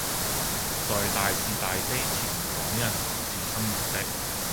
在大事大非前港人還是心熱的